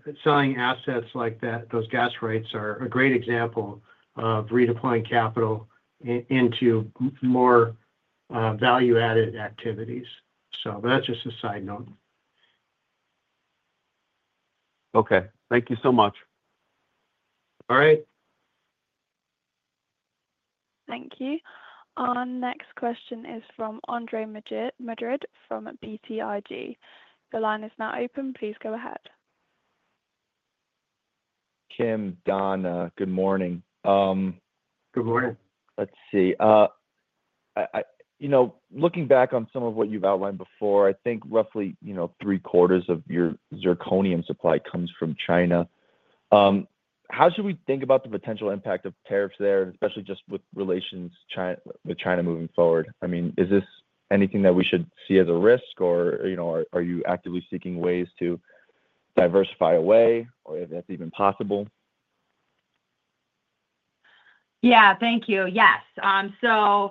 assets like that, those gas rights are a great example of redeploying capital into more value-added activities. So that's just a side note. Okay. Thank you so much. All right. Thank you. Our next question is from Andre Madrid from BTIG. The line is now open. Please go ahead. Kim, Don, good morning. Good morning. Let's see. Looking back on some of what you've outlined before, I think roughly three-quarters of your zirconium supply comes from China. How should we think about the potential impact of tariffs there, especially just with relations with China moving forward? I mean, is this anything that we should see as a risk, or are you actively seeking ways to diversify away, or if that's even possible? Yeah. Thank you. Yes. So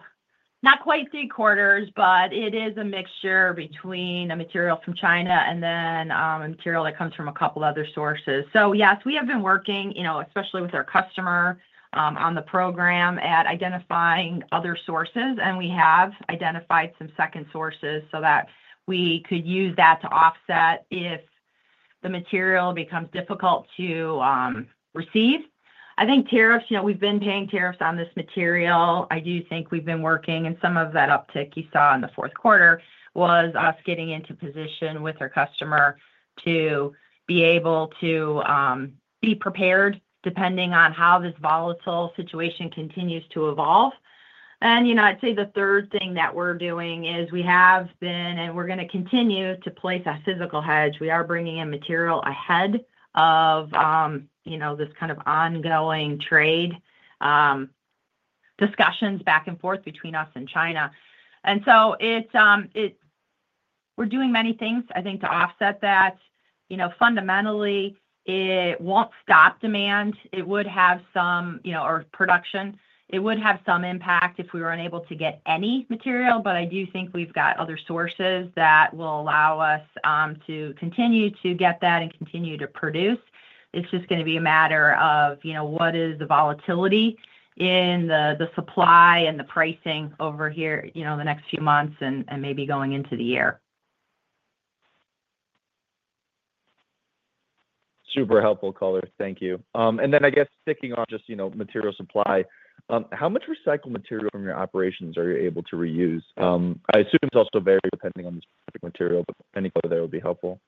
not quite three quarters, but it is a mixture between a material from China and then a material that comes from a couple of other sources. So yes, we have been working, especially with our customer, on the program at identifying other sources. And we have identified some second sources so that we could use that to offset if the material becomes difficult to receive. I think tariffs, we've been paying tariffs on this material. I do think we've been working. And some of that uptick you saw in the fourth quarter was us getting into position with our customer to be able to be prepared depending on how this volatile situation continues to evolve. And I'd say the third thing that we're doing is we have been, and we're going to continue to place a physical hedge. We are bringing in material ahead of this kind of ongoing trade discussions back and forth between us and China, and so we're doing many things, I think, to offset that. Fundamentally, it won't stop demand. It would have some impact on production. It would have some impact if we were unable to get any material, but I do think we've got other sources that will allow us to continue to get that and continue to produce. It's just going to be a matter of what is the volatility in the supply and the pricing over here in the next few months and maybe going into the year. Super helpful, Kim. Thank you. And then, I guess, sticking on just material supply, how much recycled material from your operations are you able to reuse? I assume it's also varied depending on the specific material, but any other there would be helpful.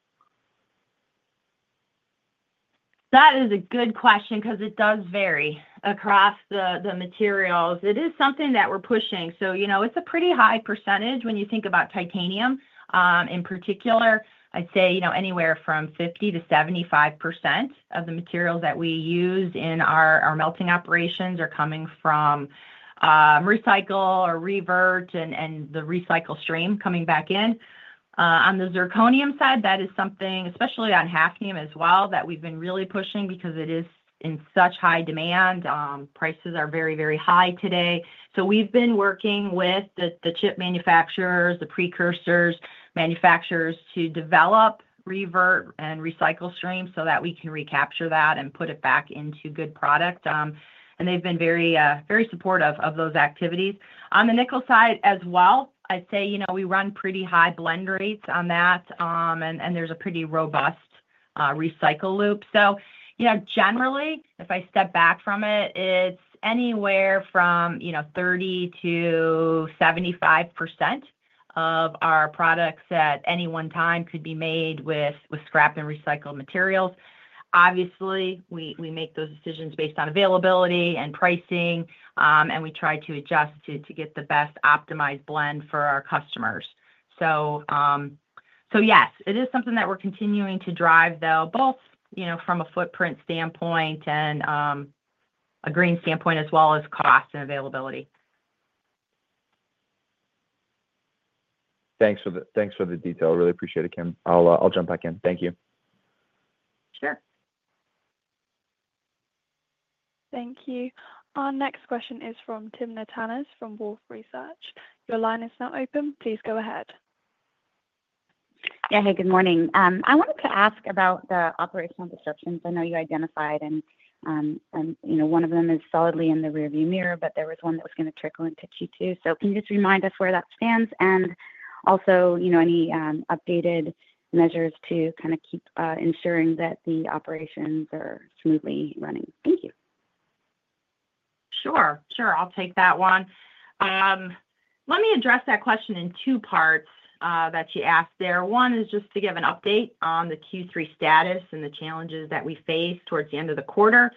That is a good question because it does vary across the materials. It is something that we're pushing. So it's a pretty high percentage when you think about titanium in particular. I'd say anywhere from 50%-75% of the materials that we use in our melting operations are coming from recycle or revert and the recycle stream coming back in. On the zirconium side, that is something, especially on hafnium as well, that we've been really pushing because it is in such high demand. Prices are very, very high today. So we've been working with the chip manufacturers, the precursors, manufacturers to develop revert and recycle stream so that we can recapture that and put it back into good product. And they've been very supportive of those activities. On the nickel side as well, I'd say we run pretty high blend rates on that, and there's a pretty robust recycle loop. So generally, if I step back from it, it's anywhere from 30%-75% of our products at any one time could be made with scrap and recycled materials. Obviously, we make those decisions based on availability and pricing, and we try to adjust to get the best optimized blend for our customers. So yes, it is something that we're continuing to drive, though, both from a footprint standpoint and a green standpoint as well as cost and availability. Thanks for the detail. Really appreciate it, Kim. I'll jump back in. Thank you. Sure. Thank you. Our next question is from Timna Tanners from Wolfe Research. Your line is now open. Please go ahead. Yeah. Hey. Good morning. I wanted to ask about the operational disruptions I know you identified. And one of them is solidly in the rearview mirror, but there was one that was going to trickle into Q2. So can you just remind us where that stands and also any updated measures to kind of keep ensuring that the operations are smoothly running? Thank you. Sure. Sure. I'll take that one. Let me address that question in two parts that you asked there. One is just to give an update on the Q3 status and the challenges that we face towards the end of the quarter.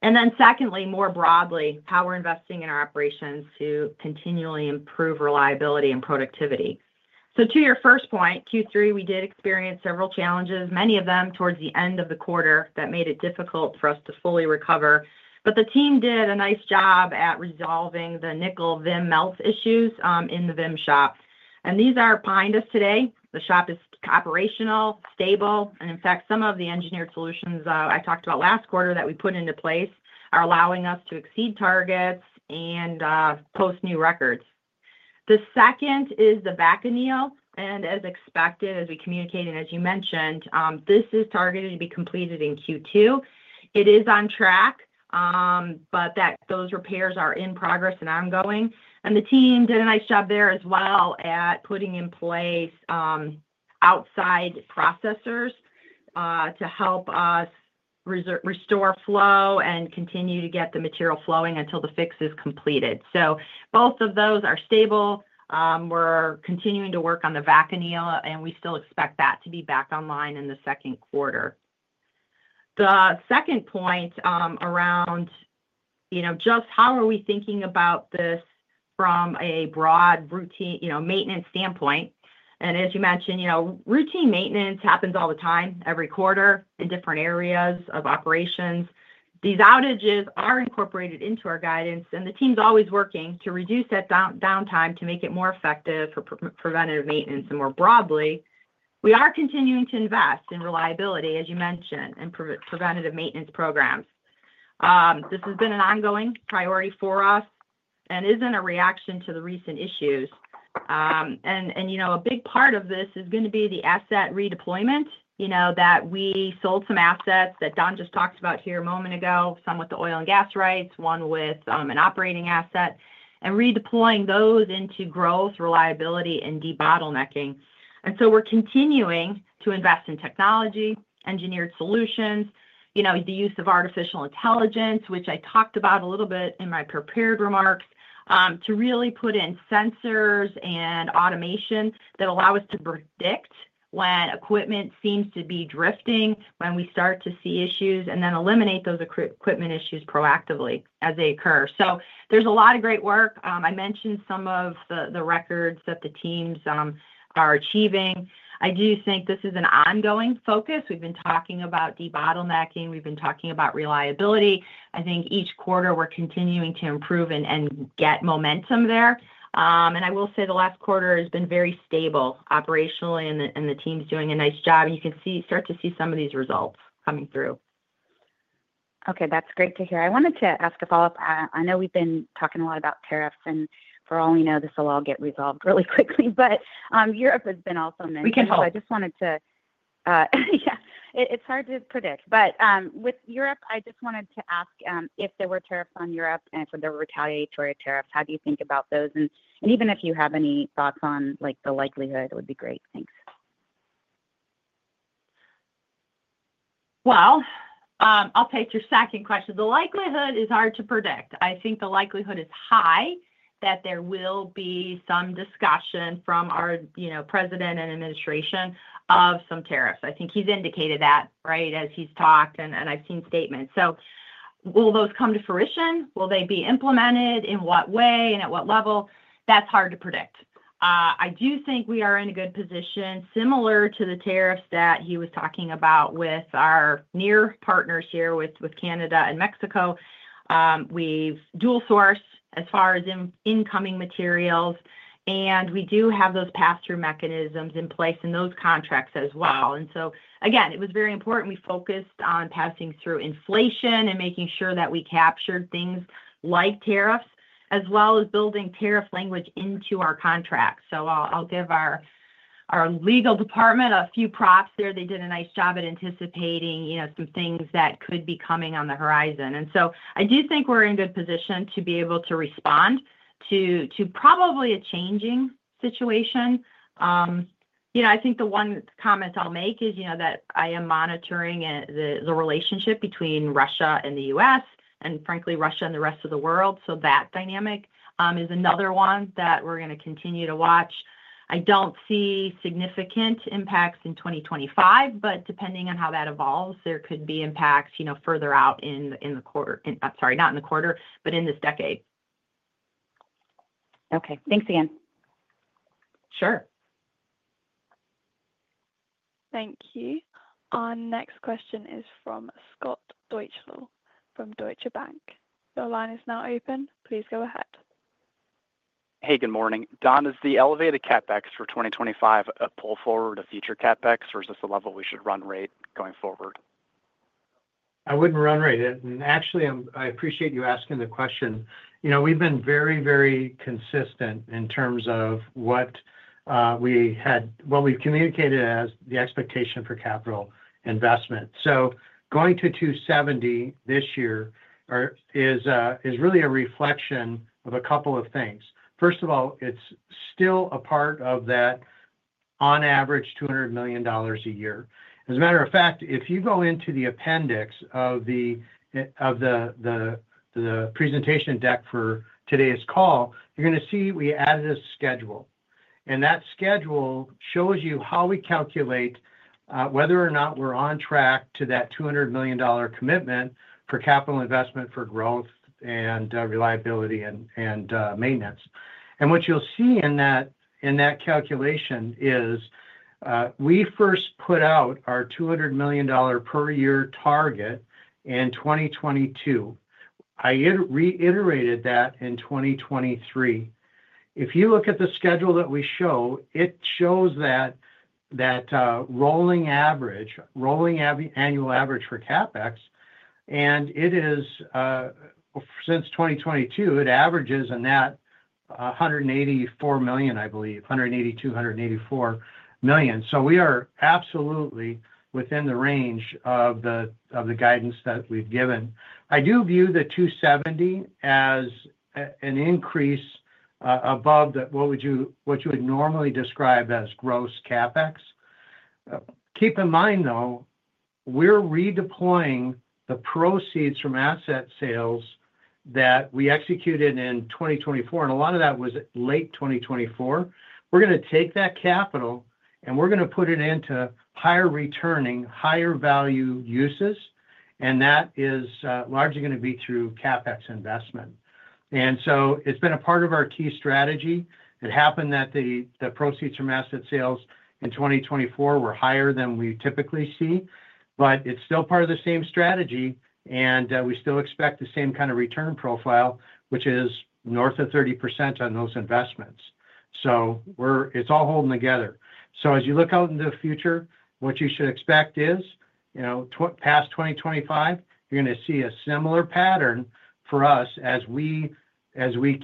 And then secondly, more broadly, how we're investing in our operations to continually improve reliability and productivity. So to your first point, Q3, we did experience several challenges, many of them towards the end of the quarter that made it difficult for us to fully recover. But the team did a nice job at resolving the nickel VIM melts issues in the VIM shop. And these are behind us today. The shop is operational, stable. And in fact, some of the engineered solutions I talked about last quarter that we put into place are allowing us to exceed targets and post new records. The second is the batch anneal. As expected, as we communicated, and as you mentioned, this is targeted to be completed in Q2. It is on track, but those repairs are in progress and ongoing. The team did a nice job there as well at putting in place outside processors to help us restore flow and continue to get the material flowing until the fix is completed. Both of those are stable. We're continuing to work on the batch anneal, and we still expect that to be back online in the second quarter. The second point around just how are we thinking about this from a broad maintenance standpoint. As you mentioned, routine maintenance happens all the time, every quarter, in different areas of operations. These outages are incorporated into our guidance, and the team's always working to reduce that downtime to make it more effective for preventative maintenance and more broadly. We are continuing to invest in reliability, as you mentioned, and preventative maintenance programs. This has been an ongoing priority for us and is in a reaction to the recent issues, and a big part of this is going to be the asset redeployment that we sold some assets that Don just talked about here a moment ago, some with the oil and gas rights, one with an operating asset, and redeploying those into growth, reliability, and debottlenecking. And so we're continuing to invest in technology, engineered solutions, the use of artificial intelligence, which I talked about a little bit in my prepared remarks, to really put in sensors and automation that allow us to predict when equipment seems to be drifting when we start to see issues and then eliminate those equipment issues proactively as they occur, so there's a lot of great work. I mentioned some of the records that the teams are achieving. I do think this is an ongoing focus. We've been talking about debottlenecking. We've been talking about reliability. I think each quarter we're continuing to improve and get momentum there. And I will say the last quarter has been very stable operationally, and the team's doing a nice job. And you can start to see some of these results coming through. Okay. That's great to hear. I wanted to ask a follow-up. I know we've been talking a lot about tariffs, and for all we know, this will all get resolved really quickly. But Europe has been also mentioned. We can help. I just wanted to. It's hard to predict. But with Europe, I just wanted to ask if there were tariffs on Europe and if there were retaliatory tariffs, how do you think about those? And even if you have any thoughts on the likelihood, it would be great. Thanks. I'll take your second question. The likelihood is hard to predict. I think the likelihood is high that there will be some discussion from our president and administration of some tariffs. I think he's indicated that, right, as he's talked, and I've seen statements. So will those come to fruition? Will they be implemented? In what way and at what level? That's hard to predict. I do think we are in a good position, similar to the tariffs that he was talking about with our near partners here with Canada and Mexico. We've dual-sourced as far as incoming materials, and we do have those pass-through mechanisms in place in those contracts as well. And so, again, it was very important we focused on passing through inflation and making sure that we captured things like tariffs as well as building tariff language into our contracts. So I'll give our legal department a few props there. They did a nice job at anticipating some things that could be coming on the horizon. And so I do think we're in a good position to be able to respond to probably a changing situation. I think the one comment I'll make is that I am monitoring the relationship between Russia and the U.S. and, frankly, Russia and the rest of the world. So that dynamic is another one that we're going to continue to watch. I don't see significant impacts in 2025, but depending on how that evolves, there could be impacts further out in the quarter. I'm sorry, not in the quarter, but in this decade. Okay. Thanks again. Sure. Thank you. Our next question is from Scott Deuschle from Deutsche Bank. Your line is now open. Please go ahead. Hey. Good morning. Don, is the elevated CapEx for 2025 a pull forward of future CapEx, or is this the level we should run rate going forward? I wouldn't run rate. Actually, I appreciate you asking the question. We've been very, very consistent in terms of what we've communicated as the expectation for capital investment. So going to $270 million this year is really a reflection of a couple of things. First of all, it's still a part of that on average $200 million a year. As a matter of fact, if you go into the appendix of the presentation deck for today's call, you're going to see we added a schedule. And that schedule shows you how we calculate whether or not we're on track to that $200 million commitment for capital investment for growth and reliability and maintenance. And what you'll see in that calculation is we first put out our $200 million per year target in 2022. I reiterated that in 2023. If you look at the schedule that we show, it shows that rolling average, rolling annual average for CapEx, and it is since 2022, it averages in that $184 million, I believe, $182-$184 million. So we are absolutely within the range of the guidance that we've given. I do view the $270 million as an increase above what you would normally describe as gross CapEx. Keep in mind, though, we're redeploying the proceeds from asset sales that we executed in 2024. And a lot of that was late 2024. We're going to take that capital, and we're going to put it into higher returning, higher value uses. And that is largely going to be through CapEx investment. And so it's been a part of our key strategy. It happened that the proceeds from asset sales in 2024 were higher than we typically see, but it's still part of the same strategy, and we still expect the same kind of return profile, which is north of 30% on those investments. So it's all holding together so as you look out into the future, what you should expect is past 2025, you're going to see a similar pattern for us as we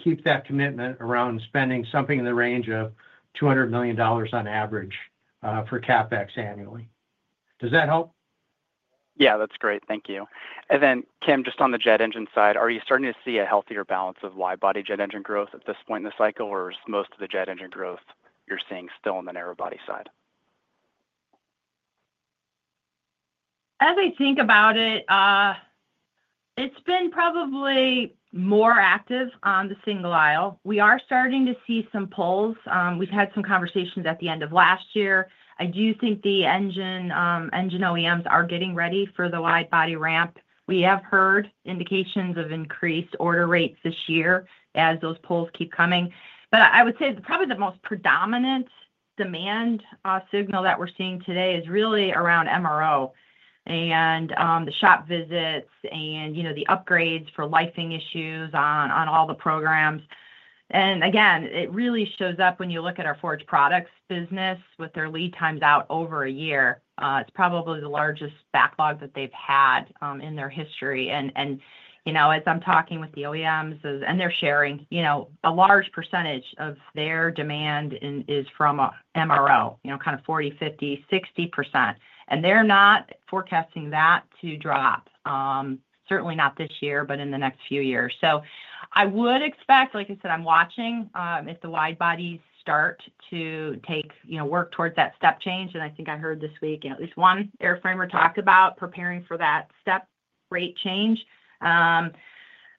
keep that commitment around spending something in the range of $200 million on average for CapEx annually. Does that help? Yeah. That's great. Thank you. And then, Kim, just on the jet engine side, are you starting to see a healthier balance of wide-body jet engine growth at this point in the cycle, or is most of the jet engine growth you're seeing still on the narrow-body side? As I think about it, it's been probably more active on the single aisle. We are starting to see some pulls. We've had some conversations at the end of last year. I do think the engine OEMs are getting ready for the wide-body ramp. We have heard indications of increased order rates this year as those pulls keep coming. But I would say probably the most predominant demand signal that we're seeing today is really around MRO and the shop visits and the upgrades for licensing issues on all the programs. And again, it really shows up when you look at our forged products business with their lead times out over a year. It's probably the largest backlog that they've had in their history. And as I'm talking with the OEMs and they're sharing, a large percentage of their demand is from MRO, kind of 40%, 50%, 60%. They're not forecasting that to drop, certainly not this year, but in the next few years. I would expect, like I said, I'm watching if the wide bodies start to work towards that step change. I think I heard this week at least one airframe talk about preparing for that step rate change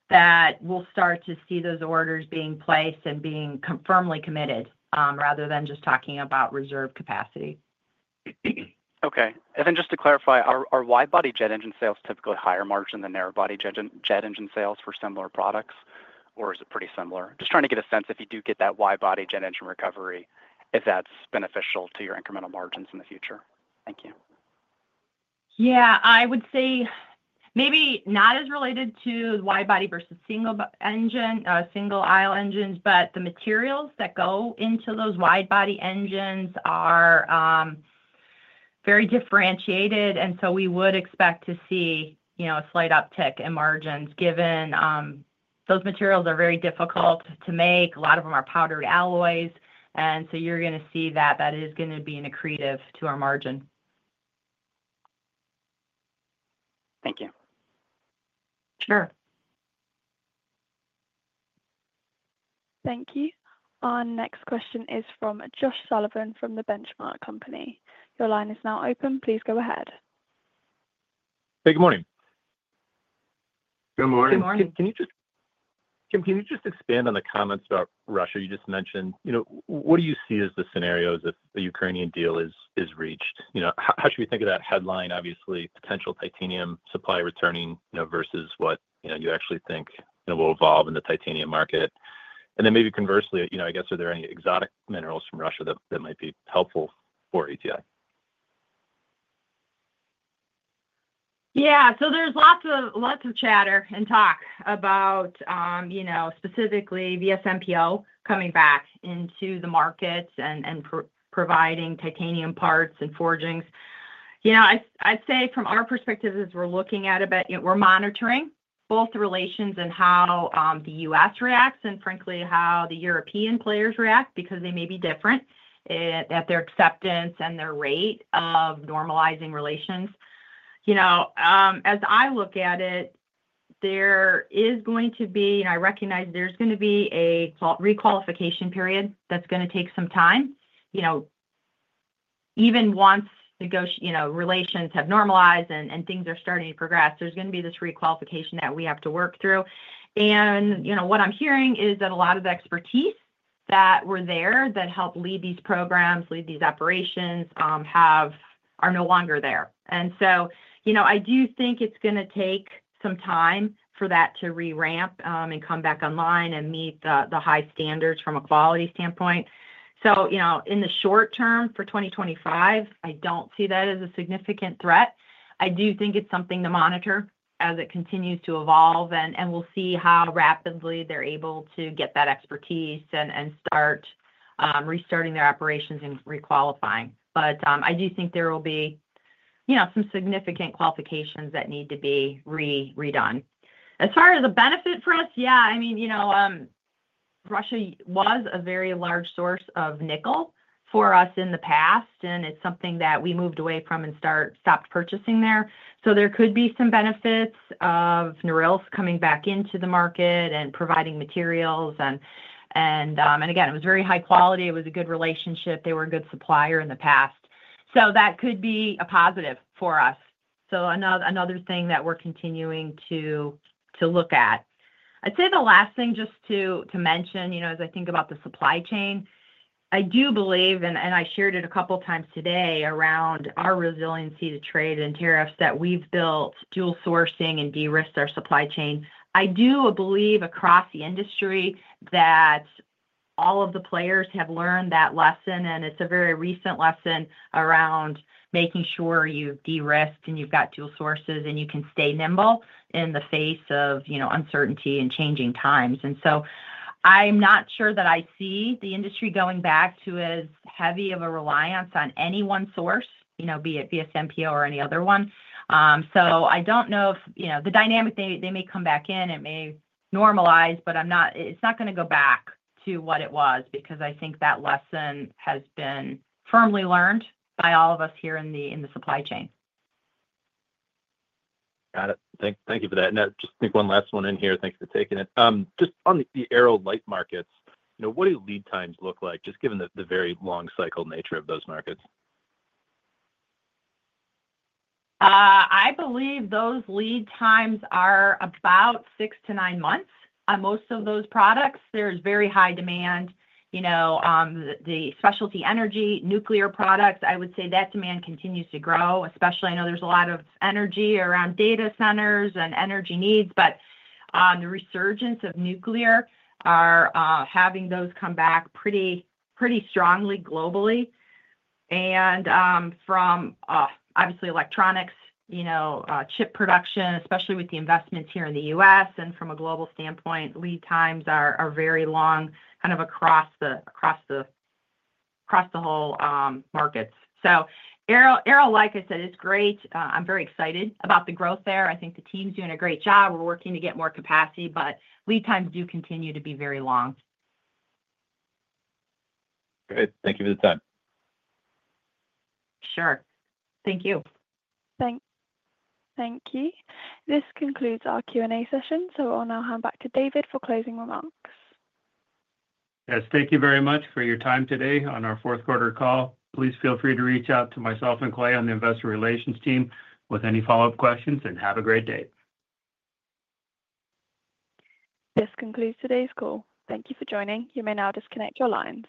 that we'll start to see those orders being placed and being firmly committed rather than just talking about reserve capacity. Okay. And then just to clarify, are wide-body jet engine sales typically higher margin than narrow-body jet engine sales for similar products, or is it pretty similar? Just trying to get a sense if you do get that wide-body jet engine recovery, if that's beneficial to your incremental margins in the future. Thank you. Yeah. I would say maybe not as related to wide-body versus single aisle engines, but the materials that go into those wide-body engines are very differentiated. And so we would expect to see a slight uptick in margins given those materials are very difficult to make. A lot of them are powdered alloys. And so you're going to see that that is going to be an accretive to our margin. Thank you. Sure. Thank you. Our next question is from Josh Sullivan from The Benchmark Company. Your line is now open. Please go ahead. Hey. Good morning. Good morning. Good morning. Can you just, Kim, can you just expand on the comments about Russia you just mentioned? What do you see as the scenarios if the Ukrainian deal is reached? How should we think of that headline, obviously, potential titanium supply returning versus what you actually think will evolve in the titanium market? And then maybe conversely, I guess, are there any exotic minerals from Russia that might be helpful for ATI? Yeah, so there's lots of chatter and talk about specifically VSMPO coming back into the markets and providing titanium parts and forgings. I'd say from our perspective, as we're looking at it, we're monitoring both relations and how the US reacts and, frankly, how the European players react because they may be different at their acceptance and their rate of normalizing relations. As I look at it, there is going to be, and I recognize there's going to be a requalification period that's going to take some time. Even once relations have normalized and things are starting to progress, there's going to be this requalification that we have to work through, and what I'm hearing is that a lot of the expertise that were there that helped lead these programs, lead these operations, are no longer there. And so I do think it's going to take some time for that to re-ramp and come back online and meet the high standards from a quality standpoint. So in the short term for 2025, I don't see that as a significant threat. I do think it's something to monitor as it continues to evolve. And we'll see how rapidly they're able to get that expertise and start restarting their operations and requalifying. But I do think there will be some significant qualifications that need to be redone. As far as a benefit for us, yeah. I mean, Russia was a very large source of nickel for us in the past, and it's something that we moved away from and stopped purchasing there. So there could be some benefits of Norilsk coming back into the market and providing materials. And again, it was very high quality. It was a good relationship. They were a good supplier in the past. So that could be a positive for us. So another thing that we're continuing to look at. I'd say the last thing just to mention, as I think about the supply chain, I do believe, and I shared it a couple of times today around our resiliency to trade and tariffs that we've built dual sourcing and de-risked our supply chain. I do believe across the industry that all of the players have learned that lesson. And it's a very recent lesson around making sure you've de-risked and you've got dual sources and you can stay nimble in the face of uncertainty and changing times. And so I'm not sure that I see the industry going back to as heavy of a reliance on any one source, be it VSMPO or any other one. So, I don't know if the dynamic, they may come back in, it may normalize, but it's not going to go back to what it was because I think that lesson has been firmly learned by all of us here in the supply chain. Got it. Thank you for that. And just to pick one last one in here, thanks for taking it. Just on the aero light markets, what do lead times look like, just given the very long-cycle nature of those markets? I believe those lead times are about six to nine months on most of those products. There's very high demand. The specialty energy nuclear products, I would say that demand continues to grow, especially I know there's a lot of energy around data centers and energy needs. But the resurgence of nuclear are having those come back pretty strongly globally. And from obviously electronics, chip production, especially with the investments here in the U.S., and from a global standpoint, lead times are very long kind of across the whole markets. So Aero light, I said, is great. I'm very excited about the growth there. I think the team's doing a great job. We're working to get more capacity, but lead times do continue to be very long. Great. Thank you for the time. Sure. Thank you. Thanks. Thank you. This concludes our Q&A session. So I'll now hand back to David for closing remarks. Yes. Thank you very much for your time today on our fourth quarter call. Please feel free to reach out to myself and Clay on the investor relations team with any follow-up questions, and have a great day. This concludes today's call. Thank you for joining. You may now disconnect your lines.